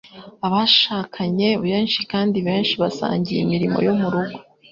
Abashakanye benshi kandi benshi basangiye imirimo yo murugo